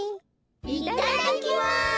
いただきます。